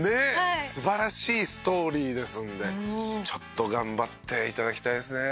素晴らしいストーリーですんでちょっと頑張って頂きたいですね。